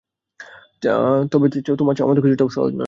তবে, তোমার চাওয়ামতো কিছু হওয়াটাও সহজ নয়!